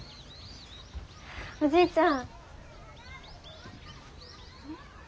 おじいちゃん。